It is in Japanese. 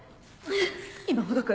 今ほどく。